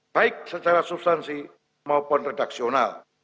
baik secara substansi maupun redaksional